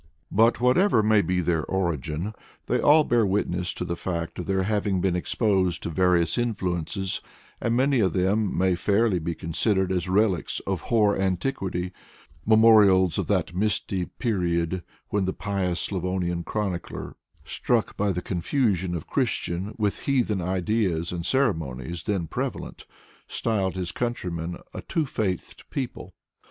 But whatever may be their origin, they all bear witness to the fact of their having been exposed to various influences, and many of them may fairly be considered as relics of hoar antiquity, memorials of that misty period when the pious Slavonian chronicler struck by the confusion of Christian with heathen ideas and ceremonies then prevalent, styled his countrymen a two faithed people.